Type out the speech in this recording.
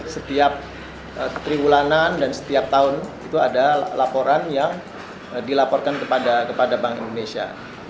setiap ketriulanan dan setiap tahun itu ada laporan yang dilaporkan kepada bank indonesia